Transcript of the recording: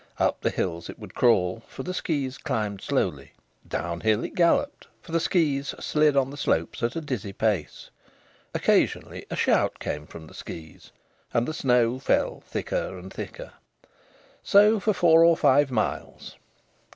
Up the hills it would crawl, for the skis climbed slowly. Down them it galloped, for the skis slid on the slopes at a dizzy pace. Occasionally a shout came from the skis. And the snow fell thicker and thicker. So for four or five miles.